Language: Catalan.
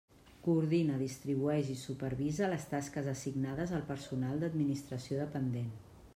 Coordina, distribueix i supervisa les tasques assignades al personal d'administració dependent.